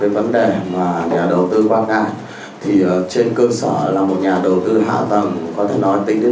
vì nhà đầu tư họ bán cho chúng ta trong vòng hai mươi bốn năm